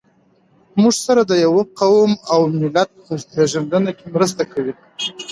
موږ سره د يوه قوم او ملت په پېژنده کې مرسته کوي.